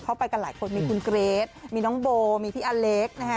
ไปกันหลายคนมีคุณเกรทมีน้องโบมีพี่อเล็กนะฮะ